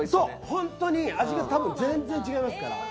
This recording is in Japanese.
ホントに味が多分全然違いますから。